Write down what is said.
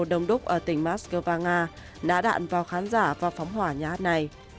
một đồng đúc ở tỉnh moscow nga nã đạn vào khán giả và phóng hỏa nhà hát này